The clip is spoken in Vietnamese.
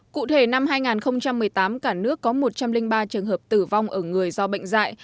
cụ thể năm hai nghìn một mươi tám cả nước có một trăm linh ba trường hợp tử vong ở người do bệnh dạy